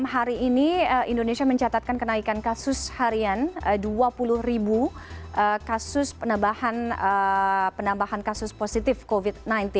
hari ini indonesia mencatatkan kenaikan kasus harian dua puluh ribu kasus penambahan kasus positif covid sembilan belas